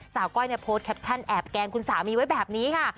สาวก้อยเนี่ยโพสต์แคปชั่นแอบแกงคุณสามีไว้แบบนี้ค่ะ